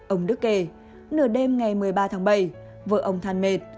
ông đức kể nửa đêm ngày một mươi ba tháng bảy vợ ông than mệt